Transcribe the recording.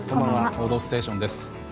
「報道ステーション」です。